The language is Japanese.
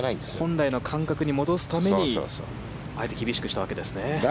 本来の感覚に戻すためにあえて厳しくしたわけですね。